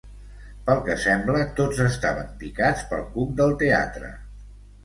Pel que sembla, tots estaven picats pel cuc del teatre.